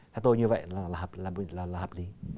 thế tôi như vậy là hợp lý